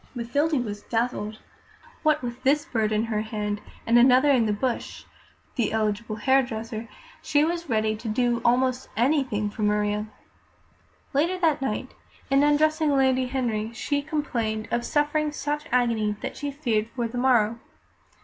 Mathilde was dazzled. What with this bird in hand, and another in the bush (the eligible hairdresser), she was ready to do almost anything for Maria. Later that night, in undressing Lady Henry, she complained of suffering such agony that she feared for the morrow.